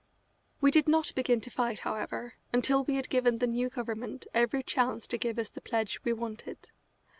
We did not begin to fight, however, until we had given the new Government every chance to give us the pledge we wanted.